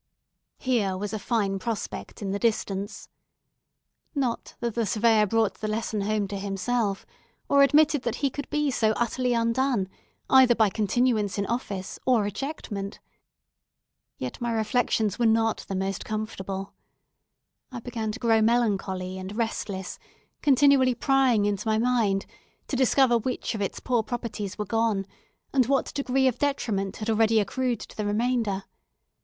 Here was a fine prospect in the distance. Not that the Surveyor brought the lesson home to himself, or admitted that he could be so utterly undone, either by continuance in office or ejectment. Yet my reflections were not the most comfortable. I began to grow melancholy and restless; continually prying into my mind, to discover which of its poor properties were gone, and what degree of detriment had already accrued to the remainder.